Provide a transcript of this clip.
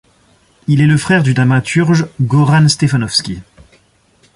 Il est le frère du dramaturge Goran Stefanovski.